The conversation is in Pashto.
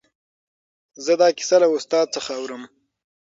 زه دا کیسه له استاد څخه اورم.